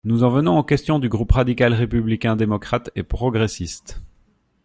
Nous en venons aux questions du groupe radical, républicain, démocrate et progressiste.